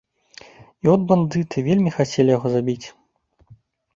І от бандыты вельмі хацелі яго забіць.